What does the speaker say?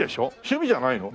趣味じゃないの？